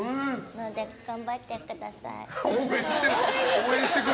頑張ってください。